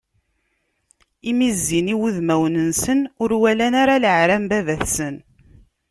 Imi i zzin wudmawen-nsen, ur walan ara leɛra n baba-tsen.